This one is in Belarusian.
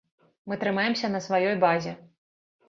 Мы трымаемся на сваёй базе.